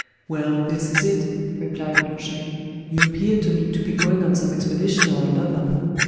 "Well, this is it," replied Planchet: "you appear to me to be going on some expedition or another."